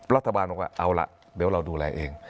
รัฐบาลบอกว่าเอาล่ะเดี๋ยวเราดูแลเอง